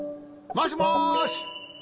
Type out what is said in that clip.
もしもし？